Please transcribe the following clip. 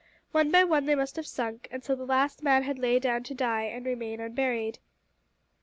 One by one they must have sunk, until the last man had lain down to die and remain unburied.